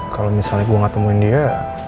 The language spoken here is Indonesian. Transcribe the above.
kalau misalnya gue gak temuin dia